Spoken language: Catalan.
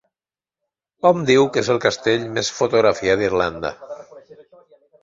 Hom diu que és el castell més fotografiat d'Irlanda.